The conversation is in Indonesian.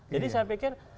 jadi saya pikir